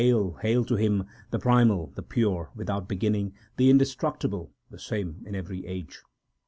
l HAIL TO HIM, The primal, the pure, 2 without beginning, the indestruc tible, the same in every age